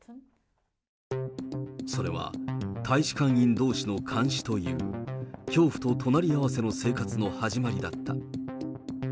それは大使館員どうしの監視という、恐怖と隣り合わせの生活の始まりだった。